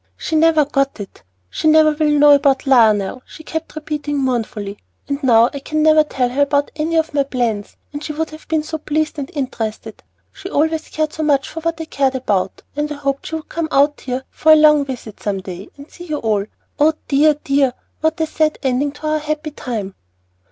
"She never got it. She never will know about Lionel," she kept repeating mournfully. "And now I can never tell her about any of my plans, and she would have been so pleased and interested. She always cared so much for what I cared about, and I hoped she would come out here for a long visit some day, and see you all. Oh dear, oh dear! what a sad ending to our happy time!"